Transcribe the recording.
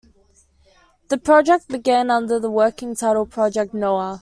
The project began under the working title "Project Noah".